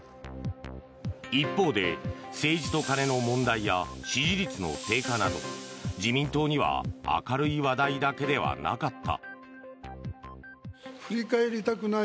一方で、政治と金の問題や支持率の低下など自民党には明るい話題だけではなかった。